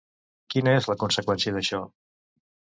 Quina és la conseqüència d'això?